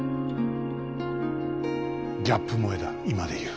ギャップ萌えだ今で言う。